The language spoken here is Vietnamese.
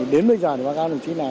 đến bây giờ thì bác giao đồng chí là